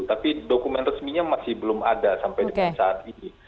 tapi dokumen resminya masih belum ada sampai dengan saat ini